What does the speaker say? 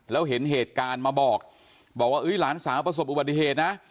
แล้วเห็นเหตุการณ์มาบอกบอกว่าหลานสาวประสบอุบัติเหตุนะ